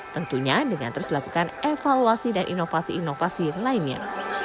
tentunya dengan terus dilakukan evaluasi dan inovasi inovasi lainnya